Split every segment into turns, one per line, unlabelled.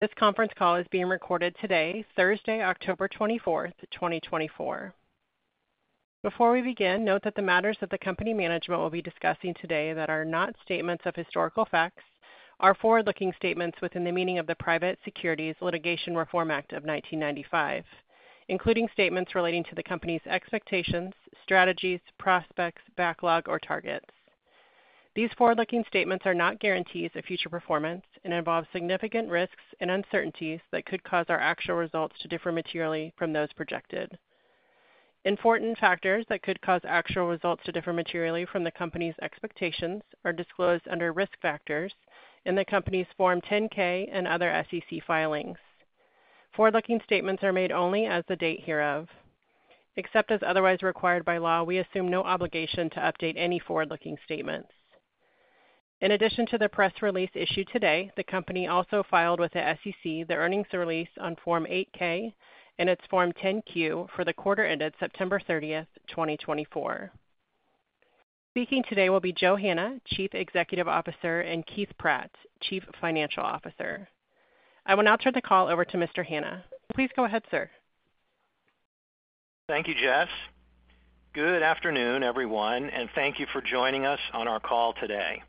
This conference call is being recorded today, Thursday, October 24, 2024. Before we begin, note that the matters that the company management will be discussing today that are not statements of historical facts are forward-looking statements within the meaning of the Private Securities Litigation Reform Act of 1995, including statements relating to the company's expectations, strategies, prospects, backlog, or targets. These forward-looking statements are not guarantees of future performance and involve significant risks and uncertainties that could cause our actual results to differ materially from those projected. Important factors that could cause actual results to differ materially from the company's expectations are disclosed under Risk Factors in the company's Form 10-K and other SEC filings. Forward-looking statements are made only as of the date hereof. Except as otherwise required by law, we assume no obligation to update any forward-looking statements. In addition to the press release issued today, the company also filed with the SEC the earnings release on Form 8-K and its Form 10-Q for the quarter ended September 30, 2024. Speaking today will be Joe Hanna, Chief Executive Officer, and Keith Pratt, Chief Financial Officer. I will now turn the call over to Mr. Hanna. Please go ahead, sir.
Thank you, Jess. Good afternoon, everyone, and thank you for joining us on our call today.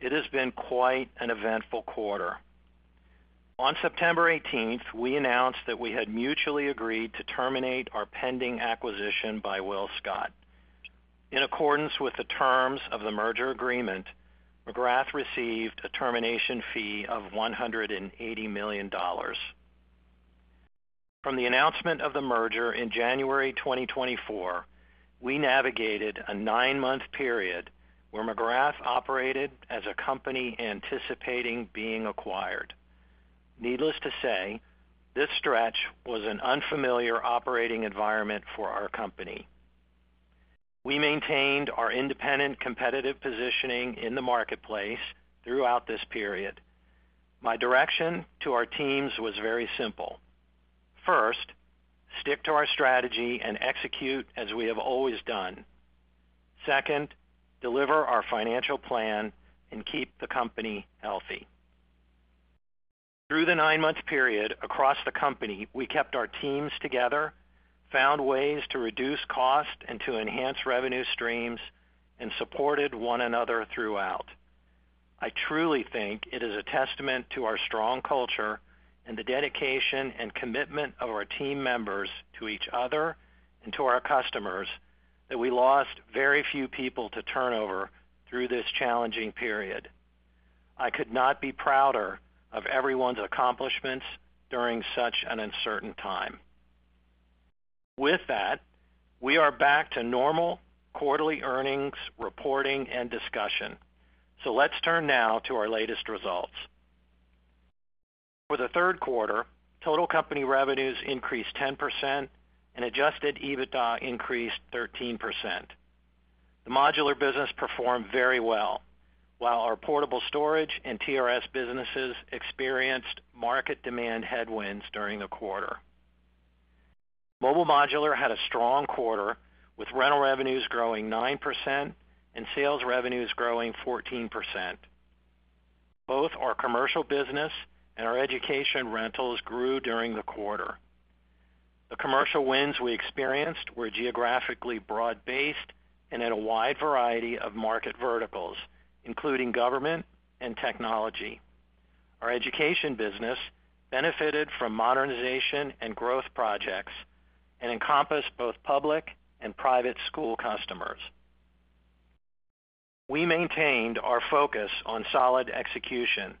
It has been quite an eventful quarter. On September 18th, we announced that we had mutually agreed to terminate our pending acquisition by WillScot. In accordance with the terms of the merger agreement, McGrath received a termination fee of $180 million. From the announcement of the merger in January 2024, we navigated a nine-month period where McGrath operated as a company, anticipating being acquired. Needless to say, this stretch was an unfamiliar operating environment for our company. We maintained our independent, competitive positioning in the marketplace throughout this period. My direction to our teams was very simple. First, stick to our strategy and execute as we have always done. Second, deliver our financial plan and keep the company healthy. Through the nine-month period across the company, we kept our teams together, found ways to reduce cost and to enhance revenue streams, and supported one another throughout. I truly think it is a testament to our strong culture and the dedication and commitment of our team members to each other and to our customers that we lost very few people to turnover through this challenging period. I could not be prouder of everyone's accomplishments during such an uncertain time. With that, we are back to normal quarterly earnings, reporting, and discussion. So let's turn now to our latest results. For the Q3, total company revenues increased 10%, and Adjusted EBITDA increased 13%. The Modular business performed very well, while our Portable Storage and TRS businesses experienced market demand headwinds during the quarter. Mobile Modular had a strong quarter, with rental revenues growing 9% and sales revenues growing 14%. Both our commercial business and our education rentals grew during the quarter. The commercial wins we experienced were geographically broad-based and in a wide variety of market verticals, including government and technology. Our education business benefited from modernization and growth projects and encompassed both public and private school customers. We maintained our focus on solid execution.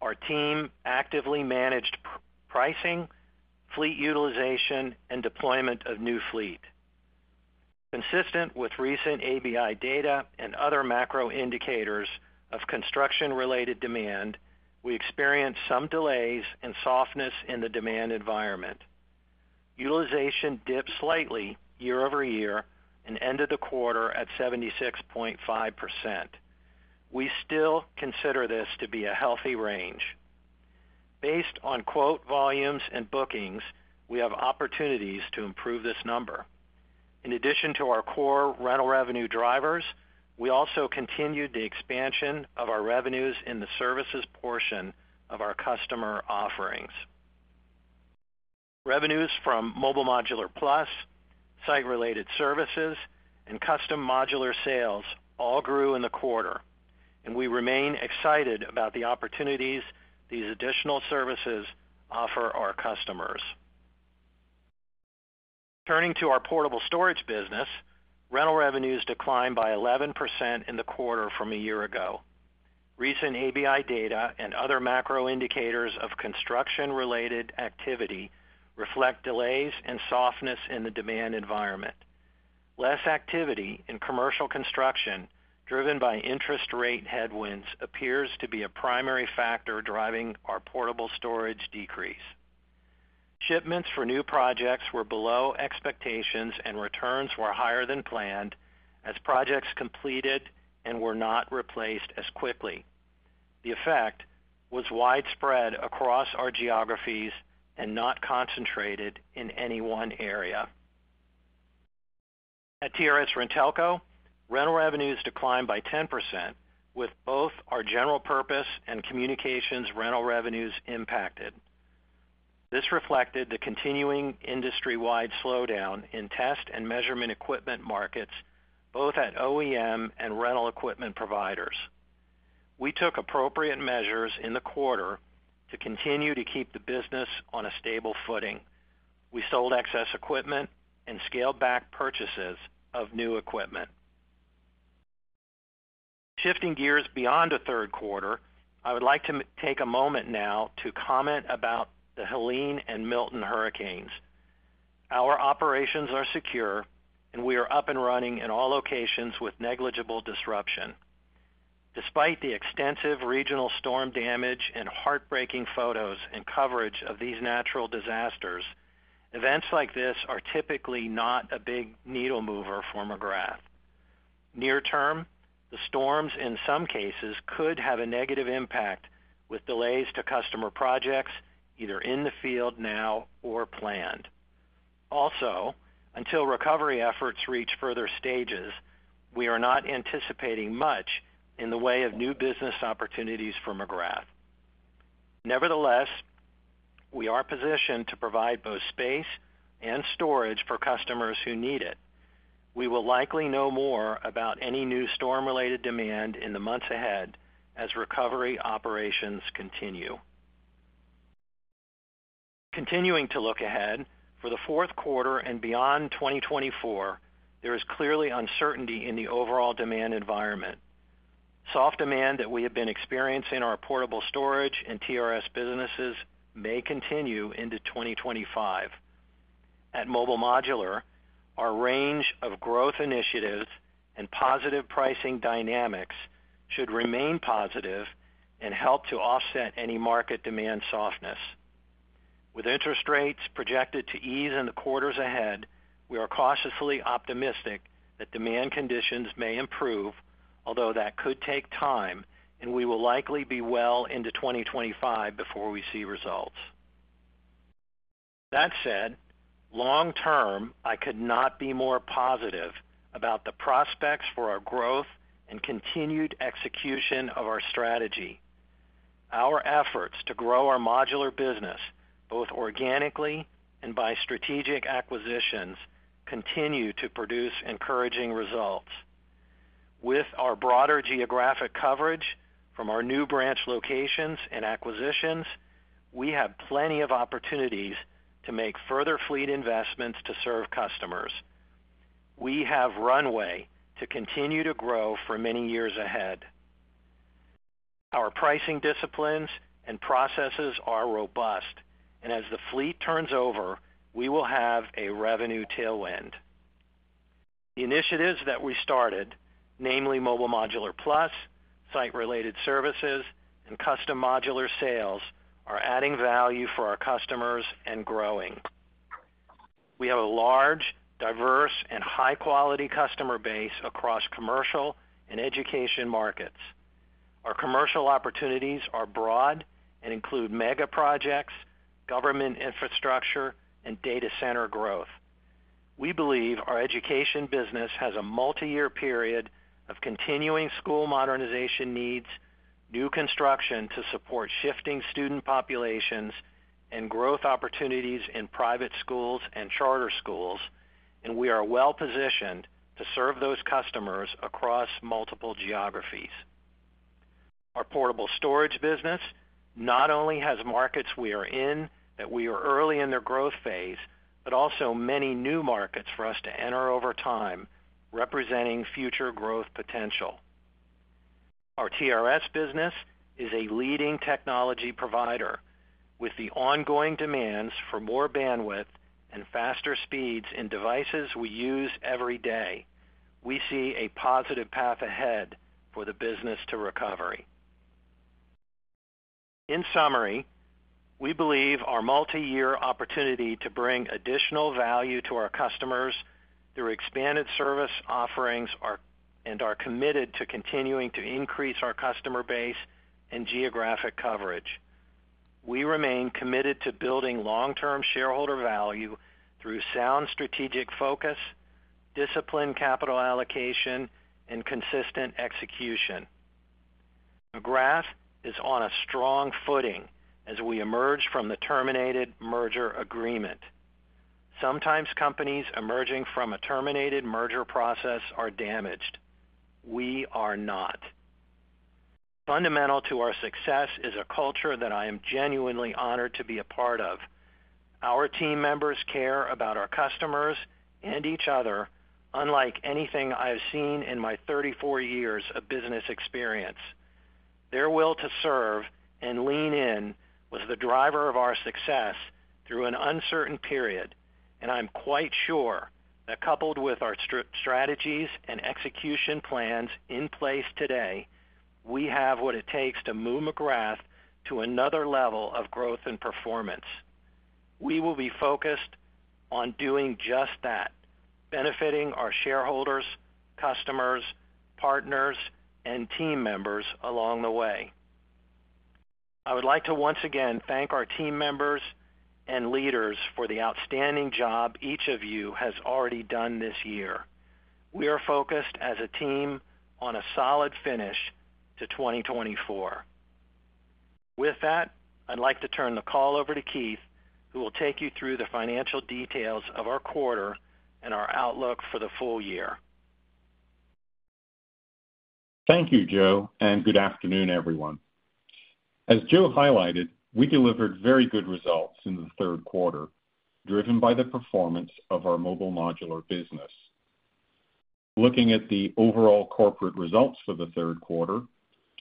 Our team actively managed pricing, fleet utilization, and deployment of new fleet. Consistent with recent ABI data and other macro indicators of construction-related demand, we experienced some delays and softness in the demand environment. Utilization dipped slightly year-over-year and ended the quarter at 76.5%. We still consider this to be a healthy range. Based on quote volumes and bookings, we have opportunities to improve this number. In addition to our core rental revenue drivers, we also continued the expansion of our revenues in the services portion of our customer offerings. Revenues from Mobile Modular Plus, Site-Related Services, and Custom Modular sales all grew in the quarter, and we remain excited about the opportunities these additional services offer our customers. Turning to our Portable Storage business, rental revenues declined by 11% in the quarter from a year ago. Recent ABI data and other macro indicators of construction-related activity reflect delays and softness in the demand environment. Less activity in commercial construction, driven by interest rate headwinds, appears to be a primary factor driving our Portable Storage decrease. Shipments for new projects were below expectations, and returns were higher than planned as projects completed and were not replaced as quickly. The effect was widespread across our geographies and not concentrated in any one area. At TRS-RenTelco, rental revenues declined by 10%, with both our general-purpose and communications rental revenues impacted. This reflected the continuing industry-wide slowdown in test and measurement equipment markets, both at OEM and rental equipment providers. We took appropriate measures in the quarter to continue to keep the business on a stable footing. We sold excess equipment and scaled back purchases of new equipment. Shifting gears beyond the Q3, I would like to take a moment now to comment about the Helene and Milton hurricanes. Our operations are secure, and we are up and running in all locations with negligible disruption. Despite the extensive regional storm damage and heartbreaking photos and coverage of these natural disasters, events like this are typically not a big needle mover for McGrath. Near term, the storms, in some cases, could have a negative impact with delays to customer projects, either in the field now or planned. Also, until recovery efforts reach further stages, we are not anticipating much in the way of new business opportunities for McGrath. Nevertheless, we are positioned to provide both space and storage for customers who need it. We will likely know more about any new storm-related demand in the months ahead as recovery operations continue. Continuing to look ahead, for the Q4 and beyond 2024, there is clearly uncertainty in the overall demand environment. Soft demand that we have been experiencing in our Portable Storage and TRS businesses may continue into 2025. At Mobile Modular, our range of growth initiatives and positive pricing dynamics should remain positive and help to offset any market demand softness. With interest rates projected to ease in the quarters ahead, we are cautiously optimistic that demand conditions may improve, although that could take time, and we will likely be well into 2025 before we see results. That said, long term, I could not be more positive about the prospects for our growth and continued execution of our strategy. Our efforts to grow our Modular business, both organically and by strategic acquisitions, continue to produce encouraging results. With our broader geographic coverage from our new branch locations and acquisitions, we have plenty of opportunities to make further fleet investments to serve customers. We have runway to continue to grow for many years ahead. Our pricing disciplines and processes are robust, and as the fleet turns over, we will have a revenue tailwind. The initiatives that we started, namely Mobile Modular Plus, site-related services, and Custom Modular sales, are adding value for our customers and growing. We have a large, diverse, and high-quality customer base across commercial and education markets. Our commercial opportunities are broad and include mega projects, government infrastructure, and data center growth. We believe our education business has a multiyear period of continuing school modernization needs, new construction to support shifting student populations, and growth opportunities in private schools and charter schools, and we are well-positioned to serve those customers across multiple geographies. Our Portable Storage business not only has markets we are in that we are early in their growth phase, but also many new markets for us to enter over time, representing future growth potential. Our TRS business is a leading technology provider. With the ongoing demands for more bandwidth and faster speeds in devices we use every day, we see a positive path ahead for the business to recovery. In summary, we believe our multiyear opportunity to bring additional value to our customers through expanded service offerings, and are committed to continuing to increase our customer base and geographic coverage. We remain committed to building long-term shareholder value through sound strategic focus, disciplined capital allocation, and consistent execution. McGrath is on a strong footing as we emerge from the terminated merger agreement. Sometimes, companies emerging from a terminated merger process are damaged. We are not. Fundamental to our success is a culture that I am genuinely honored to be a part of. Our team members care about our customers and each other, unlike anything I have seen in my 34 years of business experience. Their will to serve and lean in was the driver of our success through an uncertain period, and I'm quite sure that, coupled with our strategies and execution plans in place today, we have what it takes to move McGrath to another level of growth and performance. We will be focused on doing just that, benefiting our shareholders, customers, partners, and team members along the way. I would like to once again thank our team members and leaders for the outstanding job each of you has already done this year. We are focused as a team on a solid finish to 2024. With that, I'd like to turn the call over to Keith, who will take you through the financial details of our quarter and our outlook for the full year.
Thank you, Joe, and good afternoon, everyone. As Joe highlighted, we delivered very good results in the Q3, driven by the performance of our Mobile Modular business. Looking at the overall corporate results for the Q3,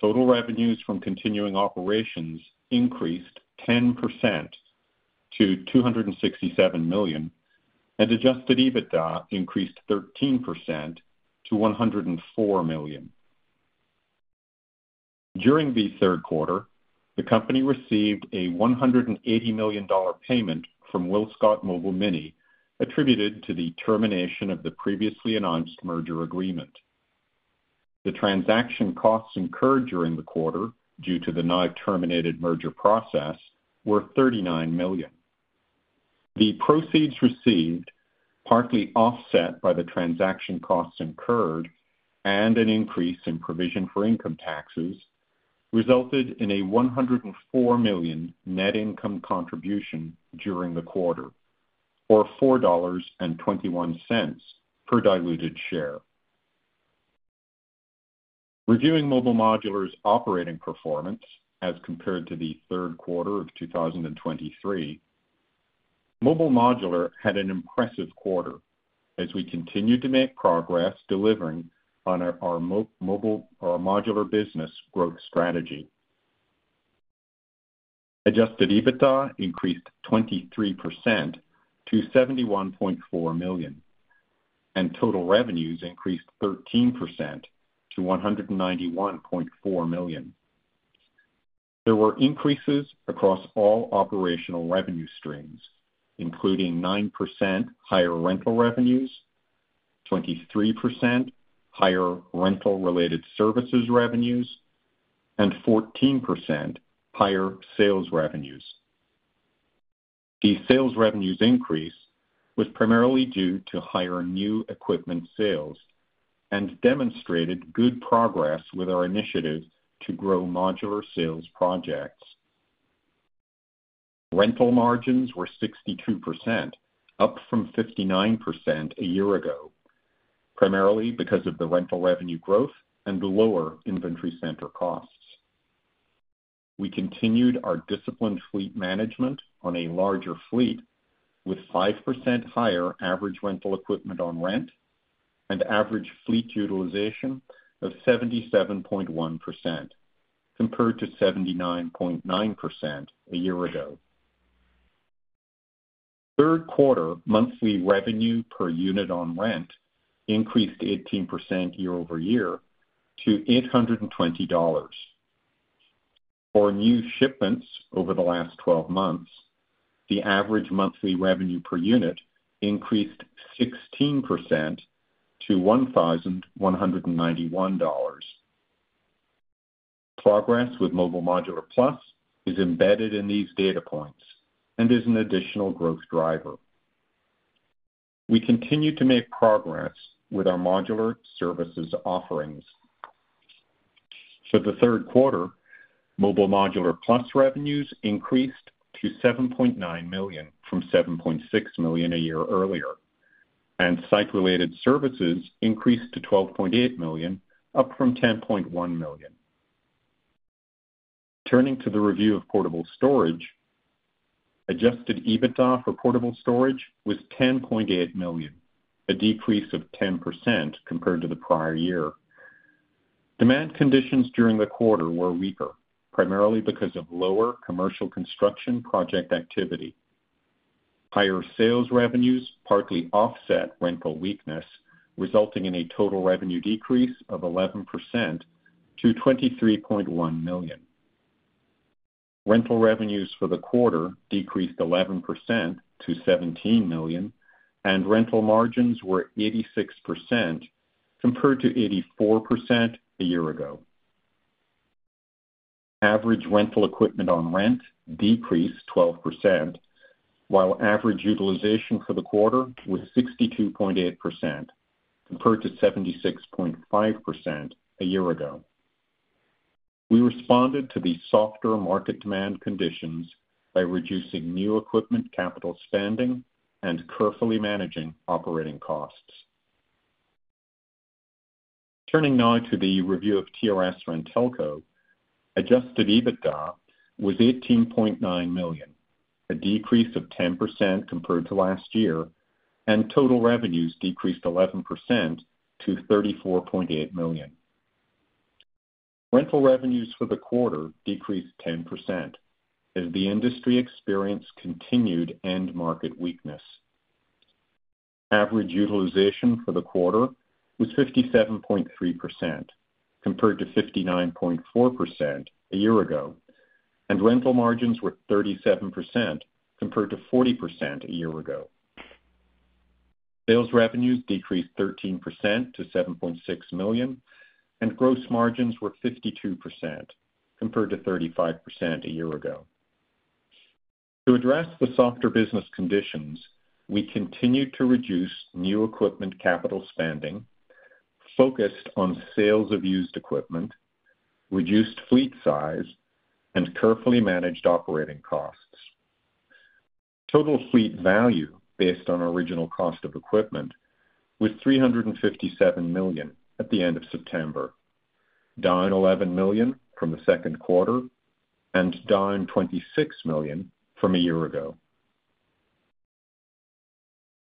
total revenues from continuing operations increased 10% to $267 million, and Adjusted EBITDA increased 13% to $104 million. During the Q3, the company received a $180 million payment from WillScot Mobile Mini, attributed to the termination of the previously announced merger agreement. The transaction costs incurred during the quarter, due to the now-terminated merger process, were $39 million. The proceeds received, partly offset by the transaction costs incurred and an increase in provision for income taxes, resulted in a $104 million net income contribution during the quarter, or $4.21 per diluted share. Reviewing Mobile Modular's operating performance as compared to the Q3 of 2023, Mobile Modular had an impressive quarter as we continued to make progress delivering on our Mobile Modular business growth strategy. Adjusted EBITDA increased 23% to $71.4 million, and total revenues increased 13% to $191.4 million. There were increases across all operational revenue streams, including 9% higher rental revenues, 23% higher rental-related services revenues, and 14% higher sales revenues. The sales revenues increase was primarily due to higher new equipment sales and demonstrated good progress with our initiatives to grow Modular sales projects. Rental margins were 62%, up from 59% a year ago, primarily because of the rental revenue growth and the lower inventory center costs. We continued our disciplined fleet management on a larger fleet, with 5% higher average rental equipment on rent and average fleet utilization of 77.1%, compared to 79.9% a year ago. Q3 monthly revenue per unit on rent increased 18% year-over-year to $820. For new shipments over the last twelve months, the average monthly revenue per unit increased 16% to $1,191. Progress with Mobile Modular Plus is embedded in these data points and is an additional growth driver. We continue to make progress with our Modular services offerings. For the Q3, Mobile Modular Plus revenues increased to $7.9 million from $7.6 million a year earlier, and site-related services increased to $12.8 million, up from $10.1 million. Turning to the review of Portable Storage, Adjusted EBITDA for Portable Storage was $10.8 million, a decrease of 10% compared to the prior year. Demand conditions during the quarter were weaker, primarily because of lower commercial construction project activity. Higher sales revenues partly offset rental weakness, resulting in a total revenue decrease of 11% to $23.1 million. Rental revenues for the quarter decreased 11% to $17 million, and rental margins were 86%, compared to 84% a year ago. Average rental equipment on rent decreased 12%, while average utilization for the quarter was 62.8%, compared to 76.5% a year ago. We responded to the softer market demand conditions by reducing new equipment capital spending and carefully managing operating costs. Turning now to the review of TRS-RenTelco. Adjusted EBITDA was $18.9 million, a decrease of 10% compared to last year, and total revenues decreased 11% to $34.8 million. Rental revenues for the quarter decreased 10% as the industry experienced continued end market weakness. Average utilization for the quarter was 57.3%, compared to 59.4% a year ago, and rental margins were 37%, compared to 40% a year ago. Sales revenues decreased 13% to $7.6 million, and gross margins were 52%, compared to 35% a year ago. To address the softer business conditions, we continued to reduce new equipment capital spending, focused on sales of used equipment, reduced fleet size, and carefully managed operating costs. Total fleet value based on original cost of equipment was $357 million at the end of September, down $11 million from the Q2 and down $26 million from a year ago.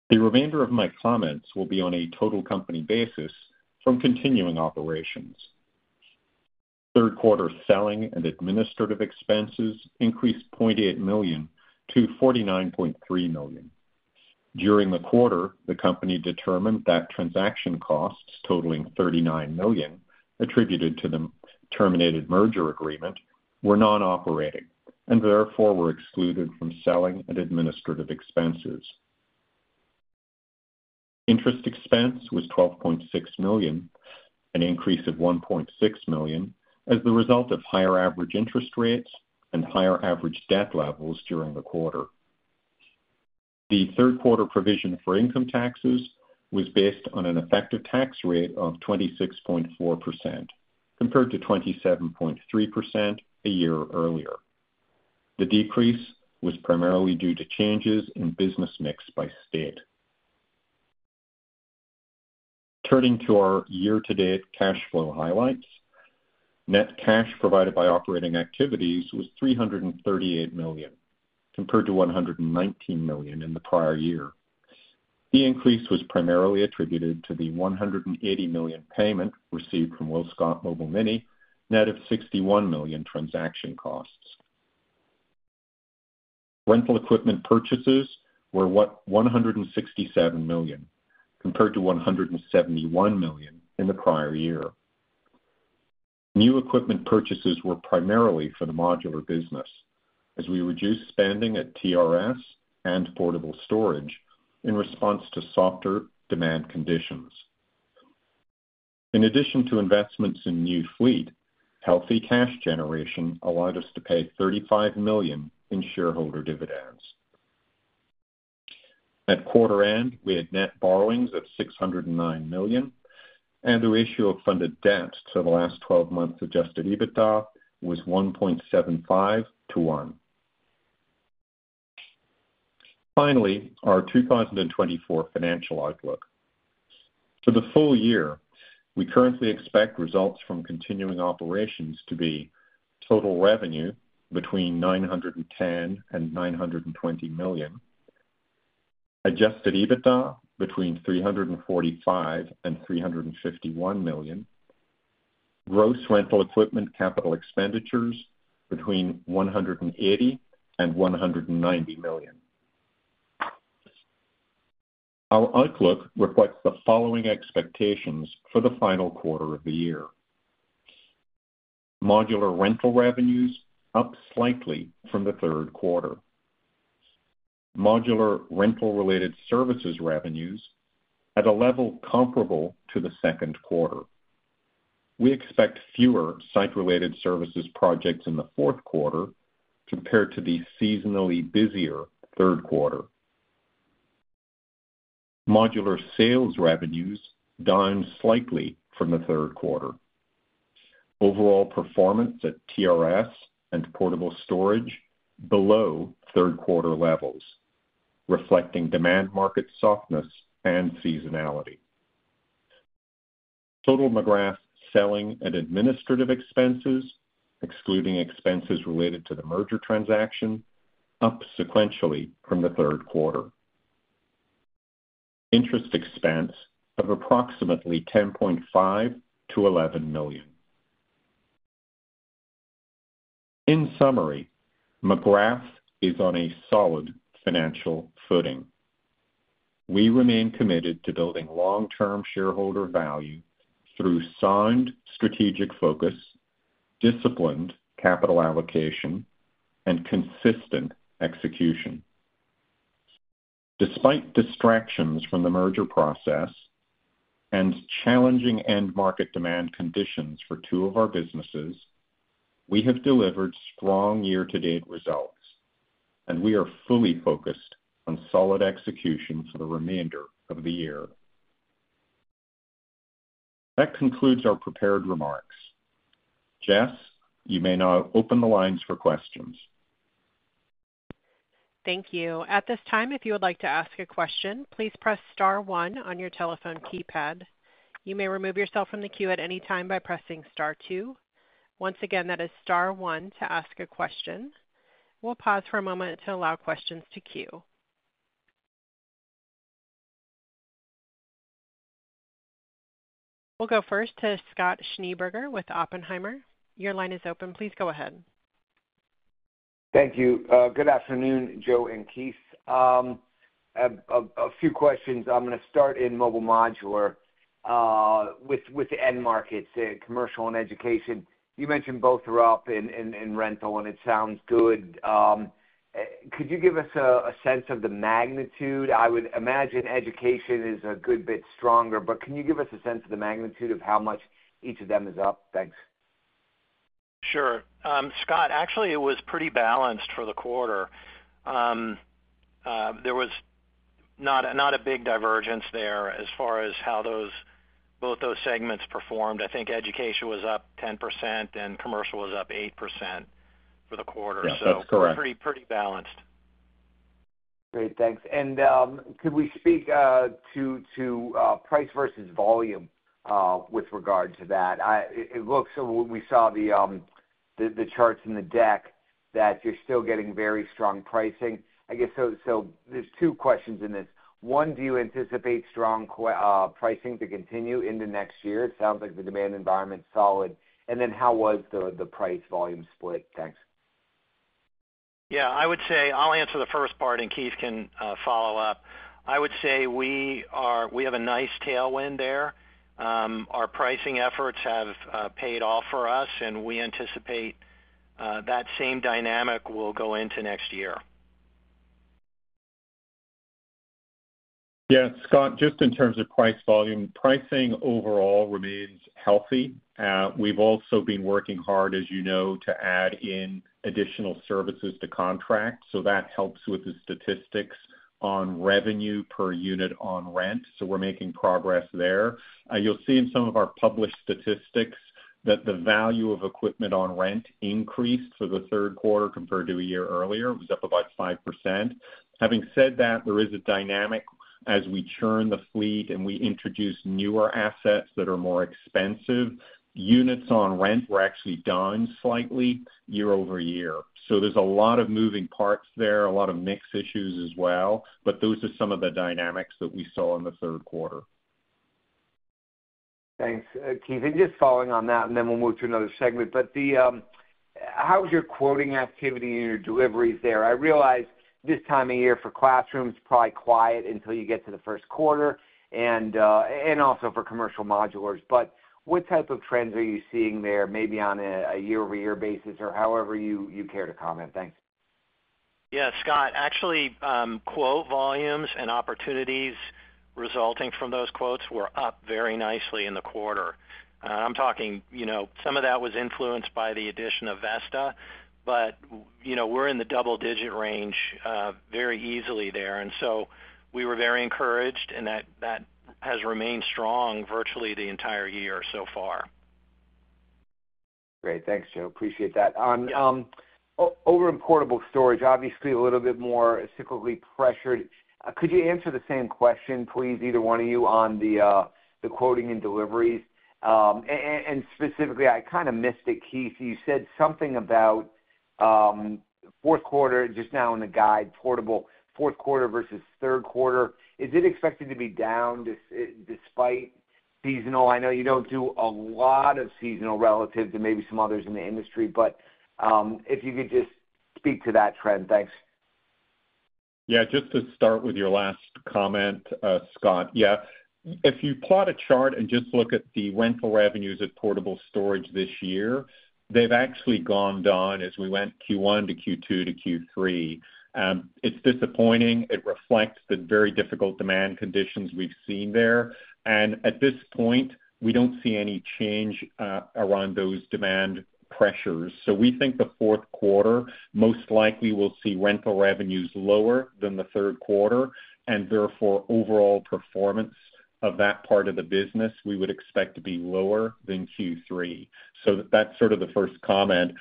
The remainder of my comments will be on a total company basis from continuing operations. Q3 selling and administrative expenses increased $0.8 million to $49.3 million. During the quarter, the company determined that transaction costs totaling $39 million, attributed to the terminated merger agreement, were non-operating and therefore were excluded from selling and administrative expenses. Interest expense was $12.6 million, an increase of $1.6 million, as the result of higher average interest rates and higher average debt levels during the quarter. The Q3 provision for income taxes was based on an effective tax rate of 26.4%, compared to 27.3% a year earlier. The decrease was primarily due to changes in business mix by state. Turning to our year-to-date cash flow highlights. Net cash provided by operating activities was $338 million, compared to $119 million in the prior year. The increase was primarily attributed to the $180 million payment received from WillScot Mobile Mini, net of $61 million transaction costs. Rental equipment purchases were $167 million, compared to $171 million in the prior year. New equipment purchases were primarily for the Modular business, as we reduced spending at TRS and Portable Storage in response to softer demand conditions. In addition to investments in new fleet, healthy cash generation allowed us to pay $35 million in shareholder dividends. At quarter end, we had net borrowings of $609 million, and the ratio of funded debt to the last twelve months' Adjusted EBITDA was 1.75 to 1. Finally, our 2024 financial outlook. For the full year, we currently expect results from continuing operations to be: total revenue between $910 million and $920 million, Adjusted EBITDA between $345 million and $351 million, gross rental equipment capital expenditures between $180 million and $190 million. Our outlook reflects the following expectations for the final quarter of the year. Modular rental revenues up slightly from the Q3. Modular rental-related services revenues at a level comparable to the Q2. We expect fewer site-related services projects in the Q4 compared to the seasonally busier Q3. Modular sales revenues down slightly from the Q3. Overall performance at TRS and Portable Storage below Q3 levels, reflecting demand market softness and seasonality. Total McGrath selling and administrative expenses, excluding expenses related to the merger transaction, up sequentially from the Q3. Interest expense of approximately $10.5-$11 million. In summary, McGrath is on a solid financial footing. We remain committed to building long-term shareholder value through sound strategic focus, disciplined capital allocation, and consistent execution. Despite distractions from the merger process and challenging end-market demand conditions for two of our businesses, we have delivered strong year-to-date results, and we are fully focused on solid execution for the remainder of the year. That concludes our prepared remarks. Jess, you may now open the lines for questions.
Thank you. At this time, if you would like to ask a question, please press star one on your telephone keypad. You may remove yourself from the queue at any time by pressing star two. Once again, that is star one to ask a question. We'll pause for a moment to allow questions to queue. We'll go first to Scott Schneeberger with Oppenheimer. Your line is open. Please go ahead.
Thank you. Good afternoon, Joe and Keith. A few questions. I'm going to start in Mobile Modular with the end markets, the commercial and education. You mentioned both are up in rental, and it sounds good. Could you give us a sense of the magnitude? I would imagine education is a good bit stronger, but can you give us a sense of the magnitude of how much each of them is up? Thanks.
Sure. Scott, actually, it was pretty balanced for the quarter. There was not a big divergence there as far as how those both those segments performed. I think education was up 10%, and commercial was up 8% for the quarter.
Yeah, that's correct.
So pretty, pretty balanced.
Great, thanks, and could we speak to price versus volume with regard to that? It looks, when we saw the charts in the deck, that you're still getting very strong pricing. I guess so, there's two questions in this. One, do you anticipate strong pricing to continue into next year? It sounds like the demand environment is solid, and then how was the price-volume split? Thanks.
Yeah, I would say I'll answer the first part, and Keith can follow up. I would say we have a nice tailwind there. Our pricing efforts have paid off for us, and we anticipate that same dynamic will go into next year.
Yeah, Scott, just in terms of price volume, pricing overall remains healthy. We've also been working hard, as you know, to add in additional services to contract. So that helps with the statistics on revenue per unit on rent, so we're making progress there. You'll see in some of our published statistics that the value of equipment on rent increased for the Q3 compared to a year earlier. It was up about 5%. Having said that, there is a dynamic as we churn the fleet, and we introduce newer assets that are more expensive. Units on rent were actually down slightly year-over-year. So there's a lot of moving parts there, a lot of mix issues as well, but those are some of the dynamics that we saw in the Q3.
Thanks, Keith. And just following on that, and then we'll move to another segment. But how is your quoting activity and your deliveries there? I realize this time of year for classrooms, it's probably quiet until you get to the Q1, and also for Commercial Modulars. But what type of trends are you seeing there, maybe on a year-over-year basis or however you care to comment? Thanks.
Yeah, Scott, actually, quote volumes and opportunities resulting from those quotes were up very nicely in the quarter. I'm talking, you know, some of that was influenced by the addition of Vesta, but, you know, we're in the double-digit range, very easily there. And so we were very encouraged, and that has remained strong virtually the entire year so far.
Great. Thanks, Joe. Appreciate that. On over in Portable Storage, obviously a little bit more cyclically pressured. Could you answer the same question, please, either one of you, on the quoting and deliveries? And specifically, I kind of missed it, Keith. You said something about Q4, just now in the guide, portable, Q4 versus Q3. Is it expected to be down despite seasonal? I know you don't do a lot of seasonal relative to maybe some others in the industry, but if you could just speak to that trend. Thanks.
Yeah, just to start with your last comment, Scott. Yeah, if you plot a chart and just look at the rental revenues of Portable Storage this year, they've actually gone down as we went Q1 to Q2 to Q3. It's disappointing. It reflects the very difficult demand conditions we've seen there. And at this point, we don't see any change around those demand pressures. So we think the Q4 most likely will see rental revenues lower than the Q3, and therefore, overall performance of that part of the business, we would expect to be lower than Q3. So that's sort of the first comment.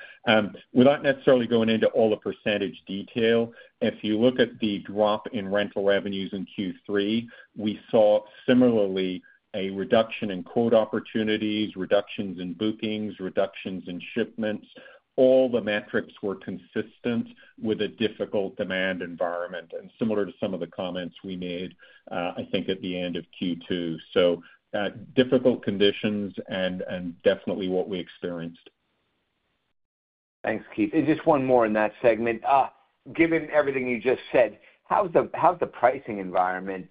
Without necessarily going into all the percentage detail, if you look at the drop in rental revenues in Q3, we saw similarly a reduction in quote opportunities, reductions in bookings, reductions in shipments. All the metrics were consistent with a difficult demand environment and similar to some of the comments we made, I think, at the end of Q2. So, difficult conditions, and definitely what we experienced.
Thanks, Keith. And just one more in that segment. Given everything you just said, how's the pricing environment?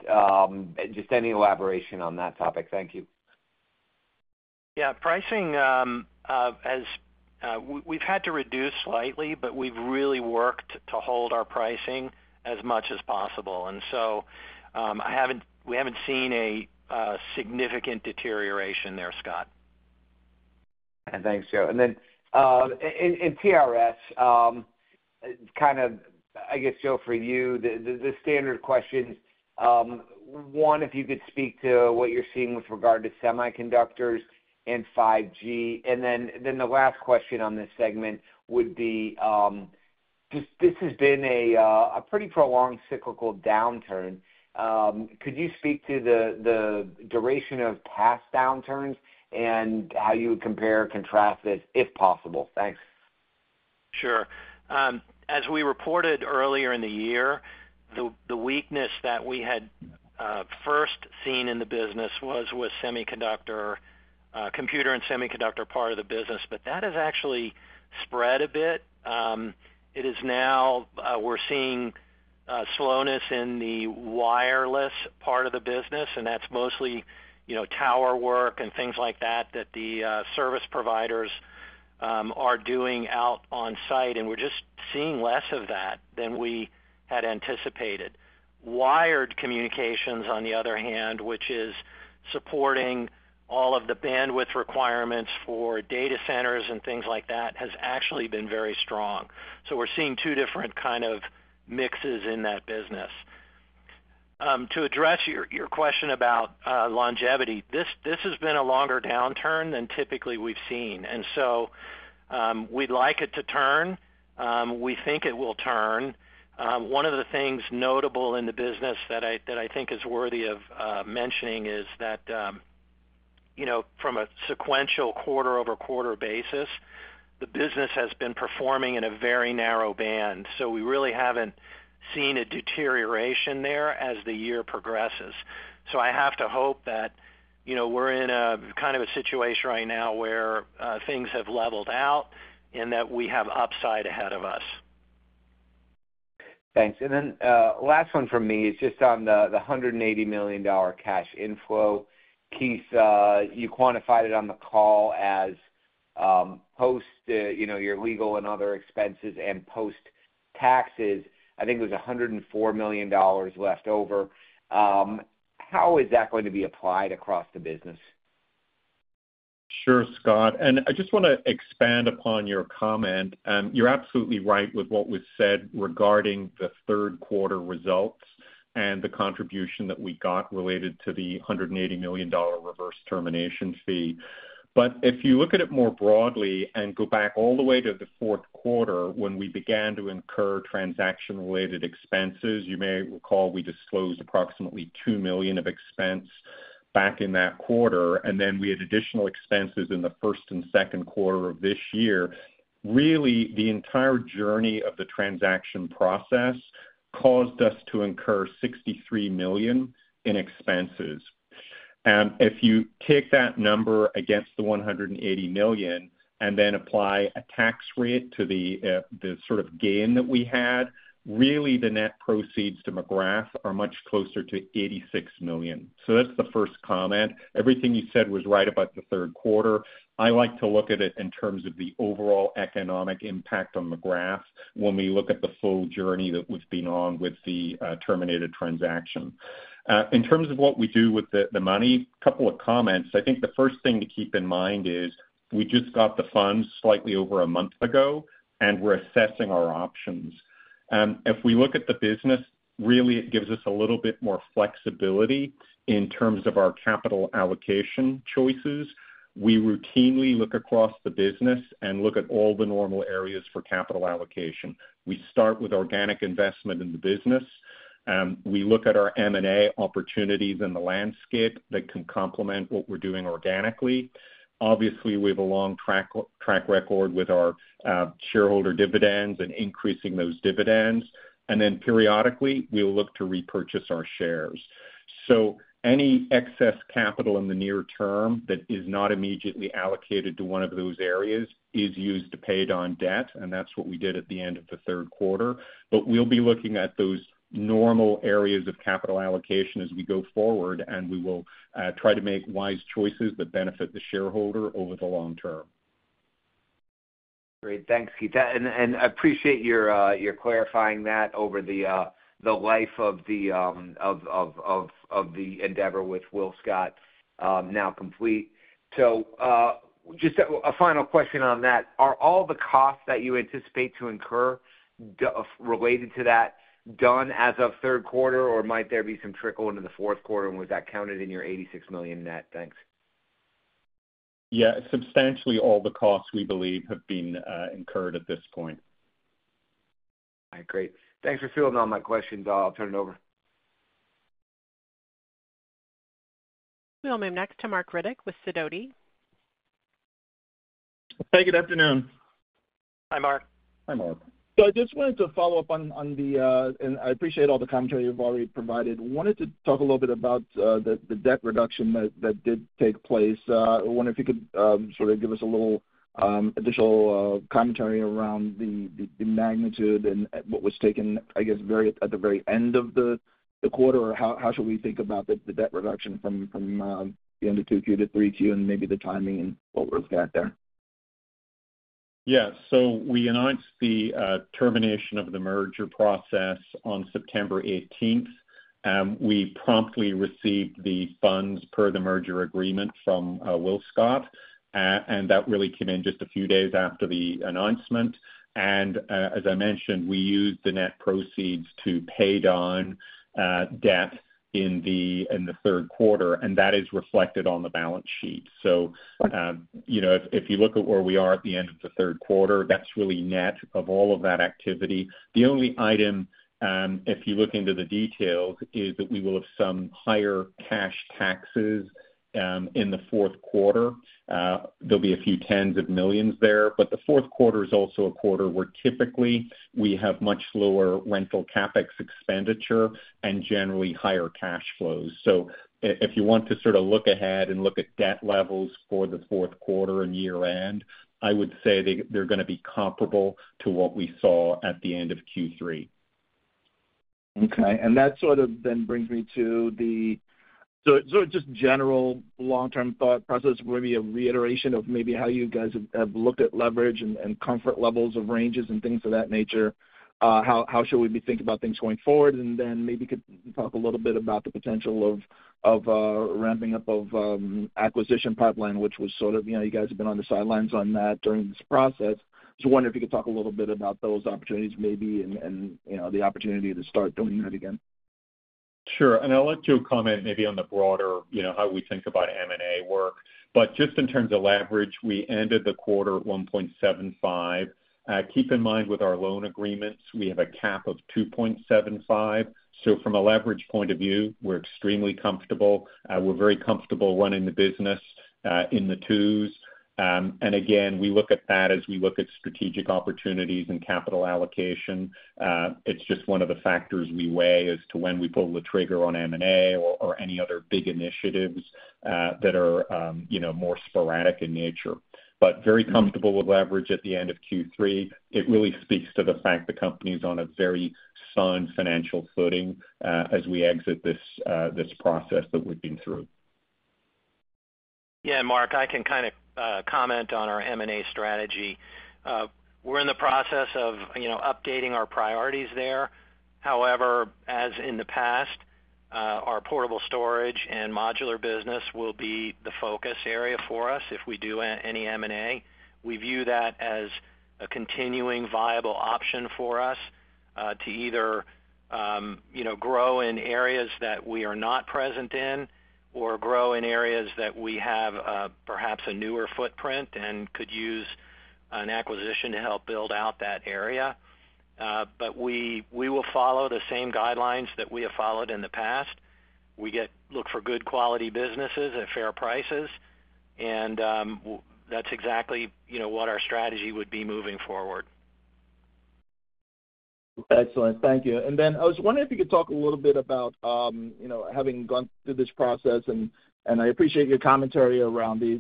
Just any elaboration on that topic? Thank you.
Yeah, pricing, we've had to reduce slightly, but we've really worked to hold our pricing as much as possible. And so, we haven't seen a significant deterioration there, Scott.
Thanks, Joe. And then, in TRS, kind of, I guess, Joe, for you, the standard question, one, if you could speak to what you're seeing with regard to semiconductors and 5G. And then, the last question on this segment would be, this has been a pretty prolonged cyclical downturn. Could you speak to the duration of past downturns and how you would compare or contrast this, if possible? Thanks.
Sure. As we reported earlier in the year, the weakness that we had first seen in the business was with semiconductor, computer, and semiconductor part of the business, but that has actually spread a bit. It is now we're seeing slowness in the wireless part of the business, and that's mostly, you know, tower work and things like that, that the service providers are doing out on site. And we're just seeing less of that than we had anticipated. Wired communications, on the other hand, which is supporting all of the bandwidth requirements for data centers and things like that, has actually been very strong. So we're seeing two different kind of mixes in that business. To address your question about longevity, this has been a longer downturn than typically we've seen, and so we'd like it to turn. We think it will turn. One of the things notable in the business that I think is worthy of mentioning is that, you know, from a sequential quarter-over-quarter basis, the business has been performing in a very narrow band. So we really haven't seen a deterioration there as the year progresses. So I have to hope that you know, we're in a kind of a situation right now where things have leveled out and that we have upside ahead of us.
Thanks. And then, last one from me is just on the, the $180 million cash inflow. Keith, you quantified it on the call as, post, you know, your legal and other expenses and post-taxes, I think it was $104 million left over. How is that going to be applied across the business?
Sure, Scott, and I just wanna expand upon your comment. You're absolutely right with what was said regarding the Q3 results and the contribution that we got related to the $180 million reverse termination fee. But if you look at it more broadly and go back all the way to the Q4 when we began to incur transaction-related expenses, you may recall we disclosed approximately $2 million of expense back in that quarter, and then we had additional expenses in the Q1 and Q2 of this year. Really, the entire journey of the transaction process caused us to incur $63 million in expenses. And if you take that number against the $180 million and then apply a tax rate to the sort of gain that we had, really, the net proceeds to McGrath are much closer to $86 million. So that's the first comment. Everything you said was right about the Q3. I like to look at it in terms of the overall economic impact on McGrath when we look at the full journey that we've been on with the terminated transaction. In terms of what we do with the money, a couple of comments. I think the first thing to keep in mind is we just got the funds slightly over a month ago, and we're assessing our options. If we look at the business, really, it gives us a little bit more flexibility in terms of our capital allocation choices. We routinely look across the business and look at all the normal areas for capital allocation. We start with organic investment in the business. We look at our M&A opportunities in the landscape that can complement what we're doing organically. Obviously, we have a long track record with our shareholder dividends and increasing those dividends. And then periodically, we will look to repurchase our shares. So any excess capital in the near term that is not immediately allocated to one of those areas is used to pay down debt, and that's what we did at the end of the Q3. But we'll be looking at those normal areas of capital allocation as we go forward, and we will try to make wise choices that benefit the shareholder over the long term.
Great. Thanks, Keith. And I appreciate your clarifying that over the life of the endeavor with WillScot, now complete. So, just a final question on that. Are all the costs that you anticipate to incur related to that done as of Q3, or might there be some trickle into the Q4, and was that counted in your $86 million net? Thanks.
Yeah, substantially all the costs, we believe, have been incurred at this point.
All right, great. Thanks for fielding all my questions. I'll turn it over.
We'll move next to Marc Riddick with Sidoti.
Hey, good afternoon.
Hi, Marc.
Hi, Marc.
So I just wanted to follow up, and I appreciate all the commentary you've already provided. Wanted to talk a little bit about the debt reduction that did take place. I wonder if you could sort of give us a little additional commentary around the magnitude and what was taken, I guess, at the very end of the quarter, or how should we think about the debt reduction from the end of Q2 to Q3, and maybe the timing and what we've got there?
Yeah, so we announced the termination of the merger process on September 18th. We promptly received the funds per the merger agreement from WillScot, and that really came in just a few days after the announcement, and as I mentioned, we used the net proceeds to pay down debt in the Q3, and that is reflected on the balance sheet, so you know, if you look at where we are at the end of the Q3, that's really net of all of that activity. The only item, if you look into the details, is that we will have some higher cash taxes in the Q4. There'll be a few tens of millions there, but the Q4 is also a quarter where typically we have much lower rental CapEx expenditure and generally higher cash flows. So if you want to sort of look ahead and look at debt levels for the Q4 and year-end, I would say they, they're gonna be comparable to what we saw at the end of Q3.
Okay, and that sort of then brings me to the, so just general long-term thought process, maybe a reiteration of maybe how you guys have looked at leverage and comfort levels of ranges and things of that nature. How should we be thinking about things going forward? And then maybe you could talk a little bit about the potential of ramping up of acquisition pipeline, which was sort of, you know, you guys have been on the sidelines on that during this process. So I wonder if you could talk a little bit about those opportunities, maybe, and, you know, the opportunity to start doing that again.
Sure. And I'll let you comment maybe on the broader, you know, how we think about M&A work. But just in terms of leverage, we ended the quarter at 1.75. Keep in mind with our loan agreements, we have a cap of 2.75. So from a leverage point of view, we're extremely comfortable. We're very comfortable running the business in the twos. And again, we look at that as we look at strategic opportunities and capital allocation. It's just one of the factors we weigh as to when we pull the trigger on M&A or any other big initiatives that are, you know, more sporadic in nature. But very comfortable with leverage at the end of Q3. It really speaks to the fact the company's on a very sound financial footing, as we exit this process that we've been through.
Yeah, Marc, I can kind of comment on our M&A strategy. We're in the process of, you know, updating our priorities there. However, as in the past, our Portable Storage and Modular Business will be the focus area for us if we do any M&A. We view that as a continuing viable option for us to either, you know, grow in areas that we are not present in or grow in areas that we have perhaps a newer footprint and could use an acquisition to help build out that area. But we will follow the same guidelines that we have followed in the past. We look for good quality businesses at fair prices, and that's exactly, you know, what our strategy would be moving forward.
Excellent. Thank you. And then I was wondering if you could talk a little bit about, you know, having gone through this process, and I appreciate your commentary around the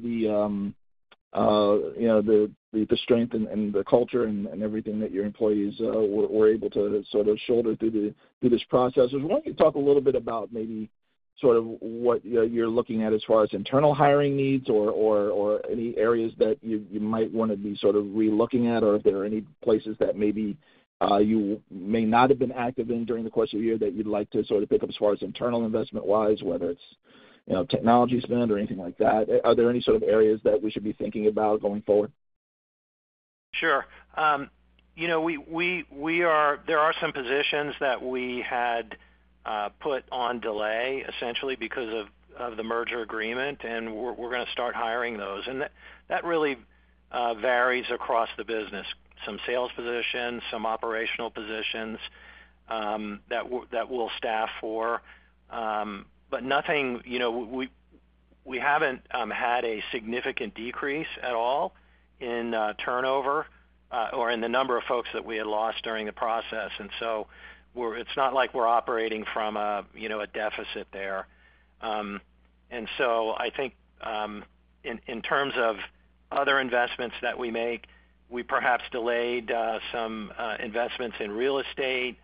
strength and the culture and everything that your employees were able to sort of shoulder through this process. I was wondering if you could talk a little bit about maybe sort of what you're looking at as far as internal hiring needs or any areas that you might wanna be sort of relooking at, or if there are any places that maybe you may not have been active in during the course of the year that you'd like to sort of pick up as far as internal investment-wise, whether it's, you know, technology spend or anything like that. Are there any sort of areas that we should be thinking about going forward?
Sure. You know, there are some positions that we had put on delay essentially because of the merger agreement, and we're gonna start hiring those. And that really varies across the business. Some sales positions, some operational positions that we'll staff for, but nothing, you know, we haven't had a significant decrease at all in turnover or in the number of folks that we had lost during the process. And so we're. It's not like we're operating from a, you know, a deficit there. And so I think in terms of other investments that we make, we perhaps delayed some investments in real estate.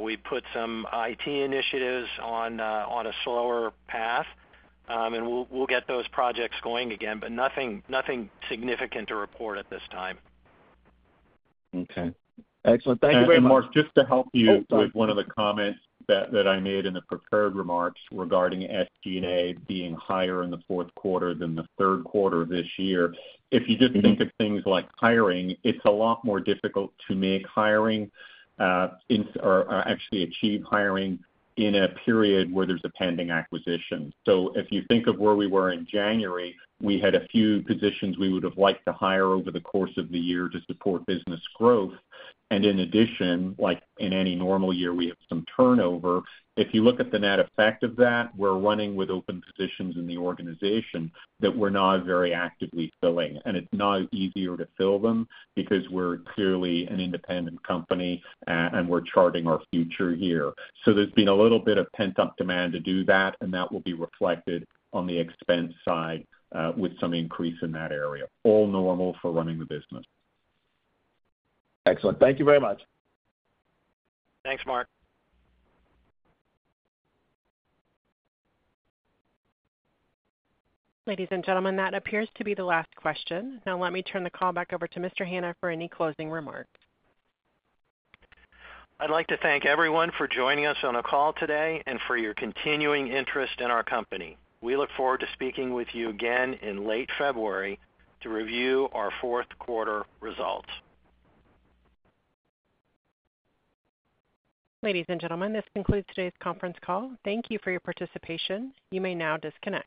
We put some IT initiatives on a slower path, and we'll get those projects going again, but nothing significant to report at this time.
Okay. Excellent. Thank you very much.
And Marc, just to help you with one of the comments that I made in the prepared remarks regarding SG&A being higher in the Q4 than the Q3 this year. If you just think of things like hiring, it's a lot more difficult to make hiring in or actually achieve hiring in a period where there's a pending acquisition. So, if you think of where we were in January, we had a few positions we would have liked to hire over the course of the year to support business growth. And in addition, like in any normal year, we have some turnover. If you look at the net effect of that, we're running with open positions in the organization that we're not very actively filling, and it's not easier to fill them because we're clearly an independent company, and we're charting our future here. So there's been a little bit of pent-up demand to do that, and that will be reflected on the expense side, with some increase in that area. All normal for running the business.
Excellent. Thank you very much.
Thanks, Marc.
Ladies and gentlemen, that appears to be the last question. Now, let me turn the call back over to Mr. Hanna for any closing remarks.
I'd like to thank everyone for joining us on the call today and for your continuing interest in our company. We look forward to speaking with you again in late February to review our Q4 results.
Ladies and gentlemen, this concludes today's conference call. Thank you for your participation. You may now disconnect.